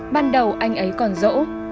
ban đầu anh ấy còn dỗ